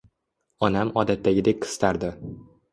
Onam odatdagidek qistardi